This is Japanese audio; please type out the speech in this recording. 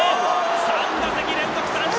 ３打席連続三振！